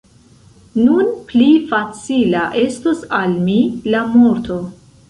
Nun pli facila estos al mi la morto!